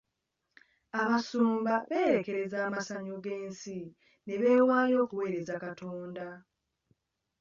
Abasumba beerekereza amasanyu g'ensi ne beewaayo okuweereza Katonda.